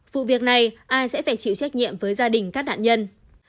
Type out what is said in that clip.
vụ việc này ai sẽ phải chịu trách nhiệm với gia đình các nạn nhân